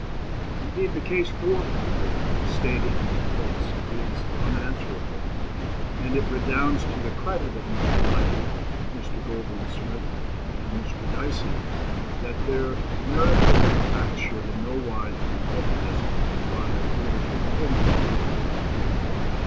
Indeed, the case for Home Rule, as stated in these books, is unanswerable; and it redounds to the credit of Mr. Lecky, Mr. Goldwin Smith, and Mr. Dicey that their narrative of facts should in no wise be prejudiced by their political opinions.